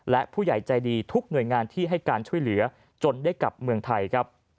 และผู้ใหญ่ใจดีทุกหน่วยงานที่ให้การช่วยเหลือจนได้กลับเมืองไทยครับ